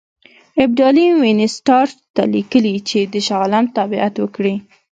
ابدالي وینسیټارټ ته لیکلي چې د شاه عالم تابعیت وکړي.